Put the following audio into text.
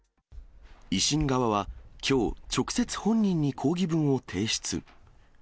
維新側は、きょう、直接本人に抗議文を提出。